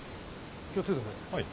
気をつけてください